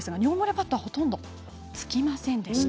パッドにはほとんどつきませんでした。